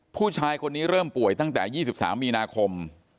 ผู้ชายคนนี้เริ่มป่วยตั้งแต่๒๓มีนาคม